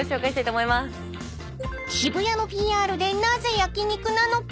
［渋谷のＰＲでなぜ焼き肉なのか］